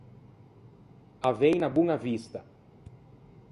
Avei unna boña vista.